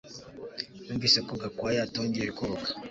Numvise ko Gakwaya atongeye koga